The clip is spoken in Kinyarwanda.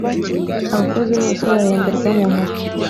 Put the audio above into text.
abakozi bose bahemberwa mu ntoki.